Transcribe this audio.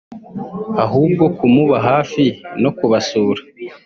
ahubwo kumuba hafi no kubasura